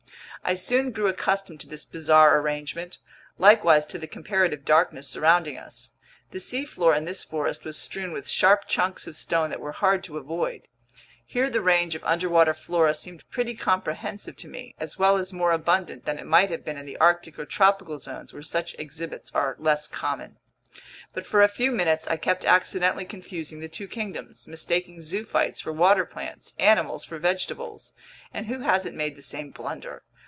I soon grew accustomed to this bizarre arrangement, likewise to the comparative darkness surrounding us. The seafloor in this forest was strewn with sharp chunks of stone that were hard to avoid. Here the range of underwater flora seemed pretty comprehensive to me, as well as more abundant than it might have been in the arctic or tropical zones, where such exhibits are less common. But for a few minutes I kept accidentally confusing the two kingdoms, mistaking zoophytes for water plants, animals for vegetables. And who hasn't made the same blunder?